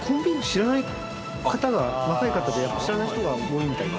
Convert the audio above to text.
知らない方が若い方で、やっぱ知らない人が多いみたいで。